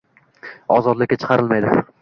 ozodlikka chiqarilmaydi.